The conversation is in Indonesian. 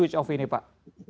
tv ini pak